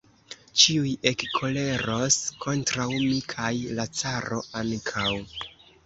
Ĉiuj ekkoleros kontraŭ mi kaj la caro ankaŭ!